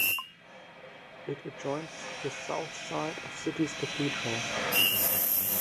It adjoins the south side of city's cathedral.